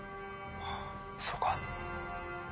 そうか。